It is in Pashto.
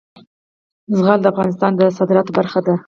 زغال د افغانستان د صادراتو برخه ده.